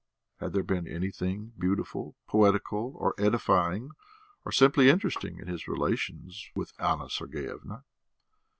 Had there been anything beautiful, poetical, or edifying or simply interesting in his relations with Anna Sergeyevna?